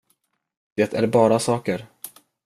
Det är bara saker.